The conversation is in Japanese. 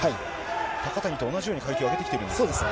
高谷と同じように、階級を上げてきています。